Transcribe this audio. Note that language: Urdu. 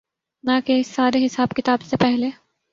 نہ کہ اس سارے حساب کتاب سے پہلے۔